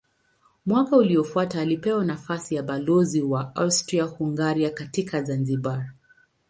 Mwaka uliofuata alipewa nafasi ya balozi wa Austria-Hungaria katika Zanzibar.